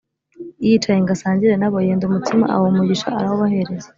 Yicaye ngo asangire na bo yenda umutsima awuha umugisha arawubahereza